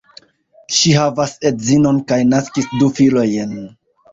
Ŝi havas edzon kaj naskis du filojn.